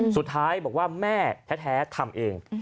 สุดท้ายบอกว่าแม่แท้ทำเอง